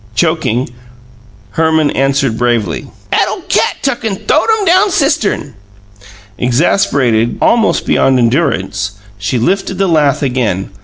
Choking, Herman answered bravely: "'At ole cat tuck an' th'owed 'em down cistern!" Exasperated almost beyond endurance, she lifted the lath again.